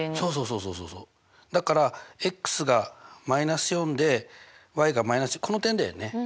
そうそうそうだからが−４でがこの点だよね。